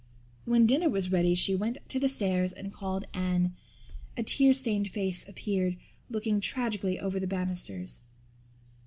When dinner was ready she went to the stairs and called Anne. A tear stained face appeared, looking tragically over the banisters.